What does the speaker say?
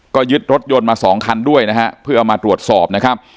ก็ยึดรถยนต์มาสองคันด้วยนะฮะเพื่อเอามาตรวจสอบนะครับ